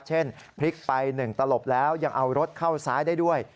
พลิกไป๑ตลบแล้วยังเอารถเข้าซ้ายได้ด้วย